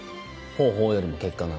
方法よりも結果なので。